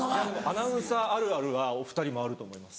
アナウンサーあるあるはお２人もあると思います。